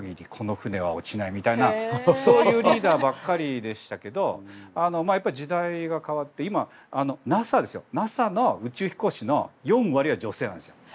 そういうリーダーばっかりでしたけどやっぱ時代が変わって今ＮＡＳＡですよＮＡＳＡの宇宙飛行士の４割は女性なんですよ。